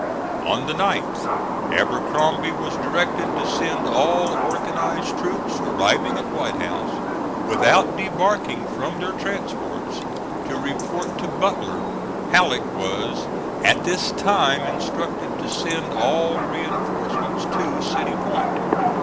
On the 9th Abercrombie was directed to send all organized troops arriving at White House, without debarking from their transports, to report to Butler. Halleck was at this time instructed to send all reinforcements to City Point.